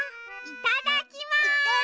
いただきます。